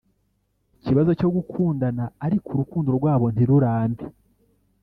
Ikibazo cyo gukundana ariko urukundo rwabo ntirurambe